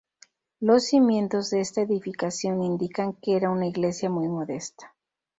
Los cimientos de esta edificación indican que era una iglesia muy modesta.